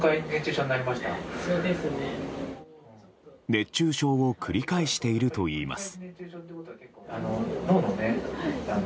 熱中症を繰り返しているといいます。